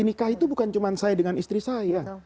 ini kah itu bukan cuma saya dengan istri saya